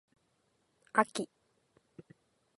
あき